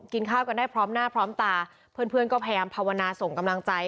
ข้าวกันได้พร้อมหน้าพร้อมตาเพื่อนก็พยายามภาวนาส่งกำลังใจ